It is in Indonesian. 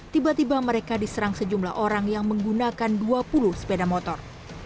tiba tiba mereka diserang sejumlah orang yang menggunakan dua puluh sepeda motor